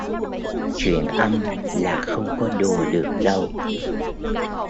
Truyện âm là không có đùa được đâu